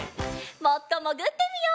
もっともぐってみよう。